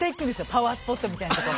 パワースポットみたいなところ。